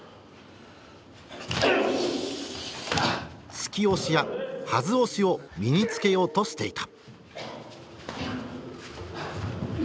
「突き押し」や「はず押し」を身につけようとしていた。